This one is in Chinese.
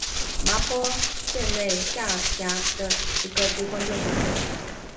麻坡县内下辖一个地方政府。